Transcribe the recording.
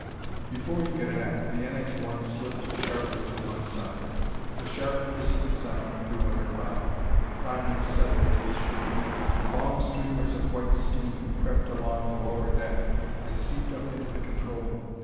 Before he could act, the NX 1 slipped sharply to one side. A sharp hissing sound grew at her bow, climbing steadily to a shriek. Long streamers of white steam crept along the lower deck and seeped up into the control room.